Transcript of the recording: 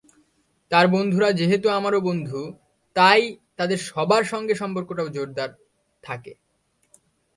তার বন্ধুরা যেহেতু আমারও বন্ধু, তাই তাদের সবার সঙ্গে সম্পর্কটাও জোরদার থাকে।